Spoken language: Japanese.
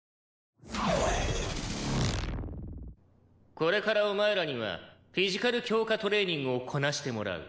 「これからお前らにはフィジカル強化トレーニングをこなしてもらう」